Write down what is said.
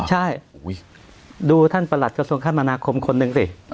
ใช่ดูท่านประหลัดกระทรวงคมนาคมคนหนึ่งสิ